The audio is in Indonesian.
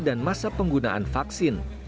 dan masa penggunaan vaksin